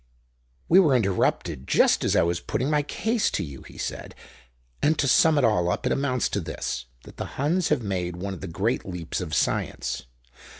"We were interrupted just as I was putting my case to you," he said. "And to sum it all up, it amounts to this: that the Huns have made one of the great leaps of science.